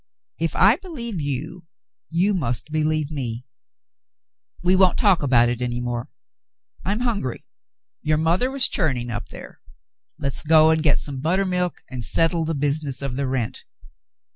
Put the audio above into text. "If I believe you, you must believe me. W^e won't talk of it any more. I'm hungry. Your mother was churning up there ; let's go and get some buttermilk, and settle the business of the rent.